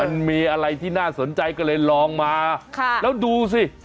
มันมีอะไรที่น่าสนใจก็เลยลองมาแล้วดูสิ